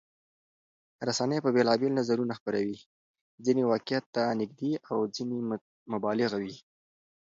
رسنۍ بېلابېل نظرونه خپروي، ځینې واقعيت ته نږدې او ځینې مبالغه وي.